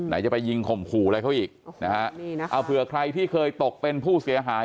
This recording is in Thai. ไหนจะไปยิงข่มขู่อะไรเขาอีกเอาเผื่อใครที่เคยตกเป็นผู้เสียหาย